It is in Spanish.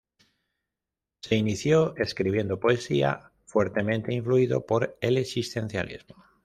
Se inició escribiendo poesía, fuertemente influido por el existencialismo.